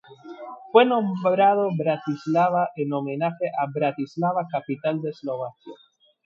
Fue nombrado Bratislava en homenaje a Bratislava capital de Eslovaquia.